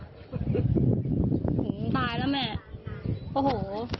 ผมตายแล้วแม่โอ้โห